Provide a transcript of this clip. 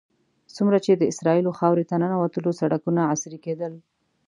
څومره چې د اسرائیلو خاورې ته ننوتلو سړکونه عصري کېدل.